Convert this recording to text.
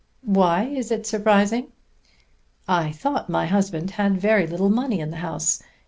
"Why is it surprising?" "I thought my husband had very little money in the house.